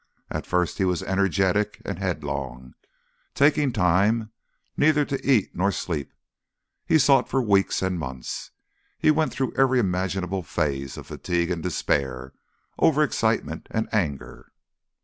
At first he was energetic and headlong, taking time neither to eat nor sleep. He sought for weeks and months, he went through every imaginable phase of fatigue and despair, over excitement and anger.